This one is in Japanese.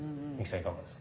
いかがですか？